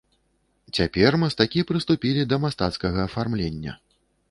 Цяпер мастакі прыступілі да мастацкага афармлення.